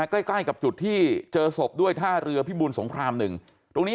ใกล้ใกล้กับจุดที่เจอศพด้วยท่าเรือพิบูลสงครามหนึ่งตรงนี้